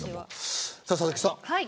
さあ、佐々木さん。